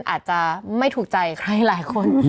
อาจจะไม่ถูกใจใครหลายคน